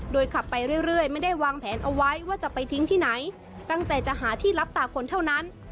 ขับไปเรื่อยไม่ได้วางแผนเอาไว้ว่าจะไปทิ้งที่ไหนตั้งใจจะหาที่รับตาคนเท่านั้น